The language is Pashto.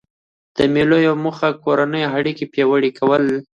د مېلو یوه موخه د کورنۍ اړیکي پیاوړي کول دي.